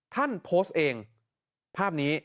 ท่านโพสต์เองภาพนี้